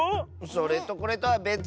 それとこれとはべつ！